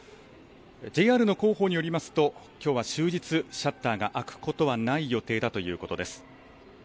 ＪＲの広報によりますと、きょうは終日、シャッターが開くことはない予定だということです。